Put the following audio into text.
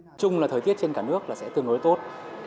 nói chung là thời tiết trên cả nước là sẽ tương đối tốt